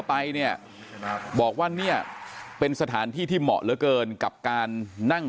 ไปเนี่ยบอกว่าเนี่ยเป็นสถานที่ที่เหมาะเหลือเกินกับการนั่ง